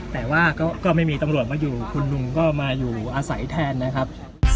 แต่ว่าก็ไม่มีตำรวจมาอยู่คุณลุงก็มาอยู่อาศัยแทนนะครับ